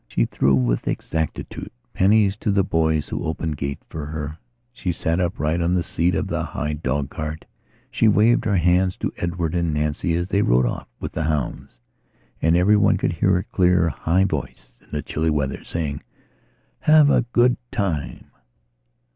She threw with exactitude pennies to the boys who opened gates for her; she sat upright on the seat of the high dog cart; she waved her hands to Edward and Nancy as they rode off with the hounds, and every one could hear her clear, high voice, in the chilly weather, saying: "Have a good time!"